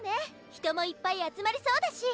人もいっぱい集まりそうだし。